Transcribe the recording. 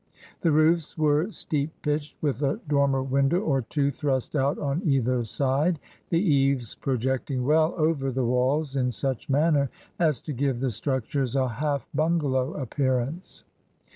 The roofs were steep pitched, with a dormer window or two thrust out on either side, the eaves projecting well over the walls in such manner as to give the structures a half bimgalow appearance.